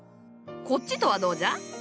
こっちとはどうじゃ？